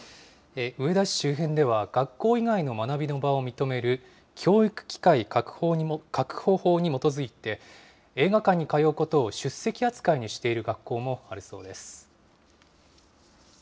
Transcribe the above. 上田市周辺では学校以外の学びの場を認める、教育機会確保法に基づいて、映画館に通うことを出席扱いにしている学校もあるそうです。